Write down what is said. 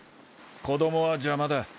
子どもは邪魔だ。